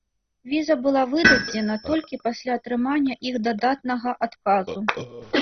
Віза была выдадзена толькі пасля атрымання іх дадатнага адказу.